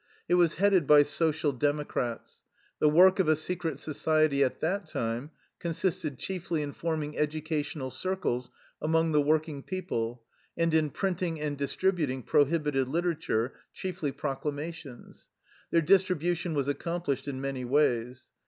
It was headed by Social Democrats. The work of a secret society at that time consisted chiefly in forming educational circles among the working people and in printing and distributing pro hibited literature, chiefly proclamations. Their distribution was accomplished in many ways.